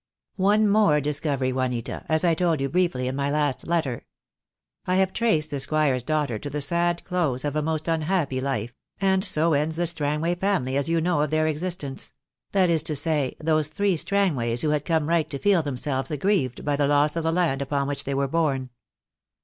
"One more discovery, Juanita, as I told you briefly in my last letter. I have traced the Squire's daughter to the sad close of a most unhappy life — and so ends the Strangway family as you know of their existence — that is to say, those three Strangways who had some THE DAY WILL COME. 287 right to feel themselves aggrieved by the loss of the land upon which they were born."